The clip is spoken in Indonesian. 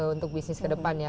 untuk bisnis ke depan ya